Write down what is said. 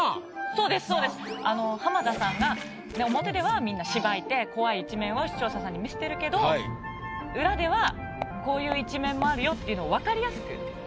そうですそうです浜田さんが表ではみんなしばいて怖い一面を視聴者さんに見せてるけど裏ではこういう一面もあるよっていうのを分かりやすく。